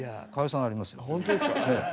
本当ですか？